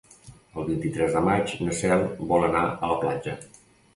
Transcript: El vint-i-tres de maig na Cel vol anar a la platja.